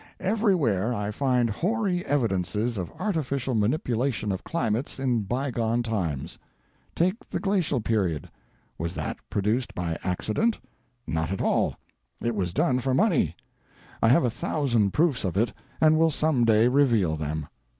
Everywhere I find hoary evidences of artificial manipulation of climates in bygone times. Take the glacial period. Was that produced by accident? Not at all; it was done for money. I have a thousand proofs of it, and will some day reveal them.